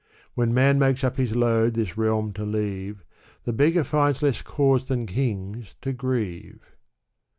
When man makes up his load this realm to leave, The beggar finds less cause than kings to grieve.